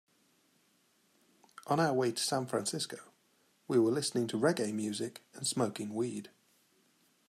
On our way to San Francisco, we were listening to reggae music and smoking weed.